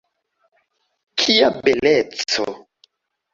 Kia beleco!